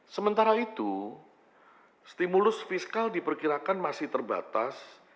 sementara itu stimulus fiskal diperkirakan masih terbatas